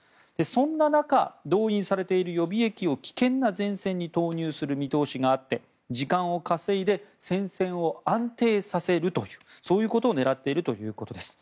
そんな中動員されている予備役を危険な前線に投入する見通しがあって時間を稼いで戦線を安定させるというそういうことを狙っているということです。